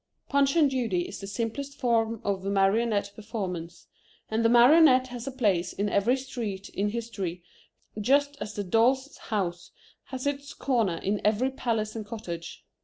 Punch and Judy is the simplest form of marionette performance, and the marionette has a place in every street in history just as the dolls' house has its corner in every palace and cottage.